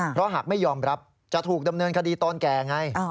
เพราะหากไม่ยอมรับจะถูกดำเนินคดีตอนแก่ไง